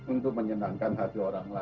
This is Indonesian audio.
untuk menyenangkan hati orang lain